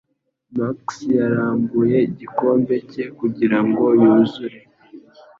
Max yarambuye igikombe cye kugirango yuzure